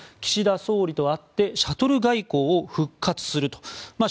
岸田総理と会ってシャトル外交を復活すると。